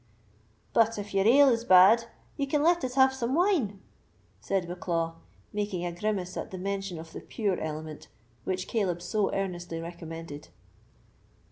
"But if your ale is bad, you can let us have some wine," said Bucklaw, making a grimace at the mention of the pure element which Caleb so earnestly recommended.